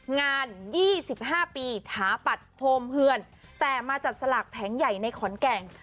๒๕ปีถาปัตย์โฮมเฮือนแต่มาจัดสลากแผงใหญ่ในขอนแก่น